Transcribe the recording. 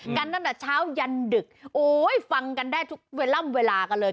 กันตั้งแต่เช้ายันดึกโอ้ยฟังกันได้ทุกเวลาล่ำเวลากันเลย